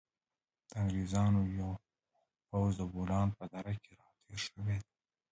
د انګریزانو یو پوځ د بولان په دره کې را تېر شوی دی.